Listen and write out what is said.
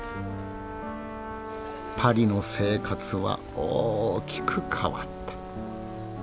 パリの生活は大きく変わった。